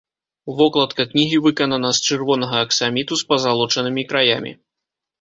Вокладка кнігі выканана з чырвонага аксаміту з пазалочанымі краямі.